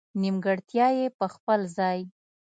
نېمګړتیا یې په خپل ځای.